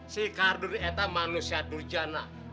si cardun itu manusia durjana